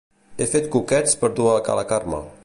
He fet coquets per dur a ca la Carme